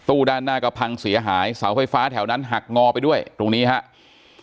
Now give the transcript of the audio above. ด้านหน้าก็พังเสียหายเสาไฟฟ้าแถวนั้นหักงอไปด้วยตรงนี้ครับ